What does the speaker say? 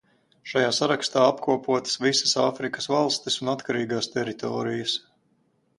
Šajā sarakstā apkopotas visas Āfrikas valstis un atkarīgās teritorijas.